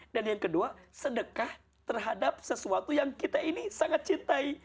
dan yang kedua sedekah terhadap sesuatu yang kita ini sangat cintai